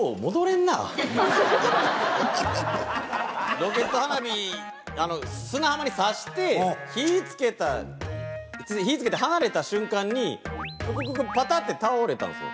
ロケット花火砂浜に挿して火付けて離れた瞬間にククククパタって倒れたんですよ。